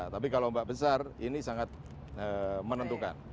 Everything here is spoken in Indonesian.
tapi kalau ombak besar ini sangat menentukan